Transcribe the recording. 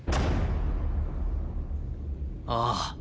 ああ。